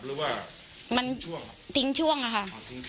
หรือว่ามันถึงช่วงอะค่ะถึงช่วง